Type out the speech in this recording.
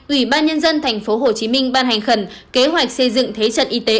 ủy ban nhân dân thành phố hồ chí minh ban hành khẩn kế hoạch xây dựng thế trận y tế